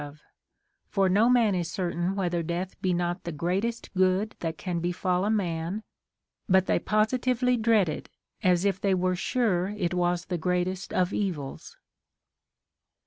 ^13 of; for no man is certain whether death be not the greatest good that can befall a man, but they positively dread it as if they were sure it was the greatest of evils."